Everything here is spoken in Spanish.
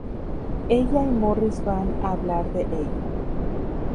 Ella y Morris van a hablar de ello.